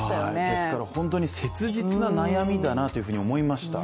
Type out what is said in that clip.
ですから本当に切実な悩みだなというふうに思いました。